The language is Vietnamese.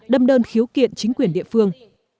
đâm đơn khiếu kiện chính quyền địa phương